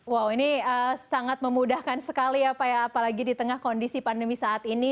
wow ini sangat memudahkan sekali ya pak ya apalagi di tengah kondisi pandemi saat ini